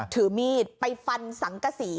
ถือมีดไปฟันสังกษี